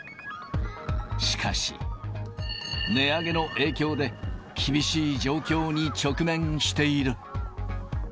しかし、値上げの影響で厳しい状況に直面している。